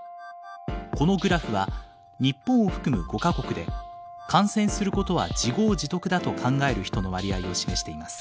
このグラフは日本を含む５か国で感染することは自業自得だと考える人の割合を示しています。